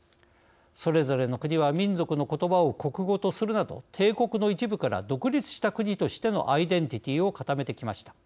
それぞれの国は民族のことばを国語とするなど帝国の一部から独立した国としてのアイデンティティーを固めてきました。